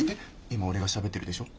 今俺がしゃべってるでしょ